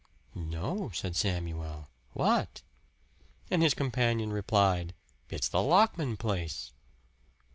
"No," said Samuel. "What?" And his companion replied, "It's the Lockman place."